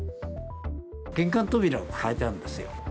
玄関扉を変えたんですよ。